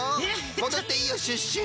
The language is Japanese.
もどっていいよシュッシュ。